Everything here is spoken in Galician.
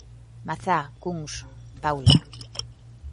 Mazá Cuns, Paula.